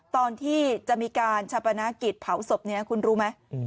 ตอนที่จะมีการชาปนากิจเผาศพนี้คุณรู้ไหม